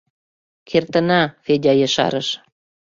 Кертына, — Федя ешарыш.